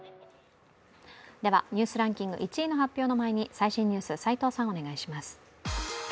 では「ニュースランキング」１位発表の前に最新ニュース、齋藤さん、お願いします。